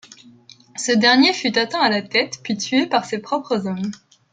Ce dernier fut atteint à la tête, puis tué par ses propres hommes.